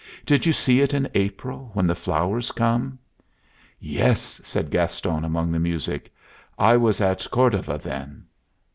"Did you see it in April, when the flowers come?" "Yes," said Gaston, among the music. "I was at Cordova then."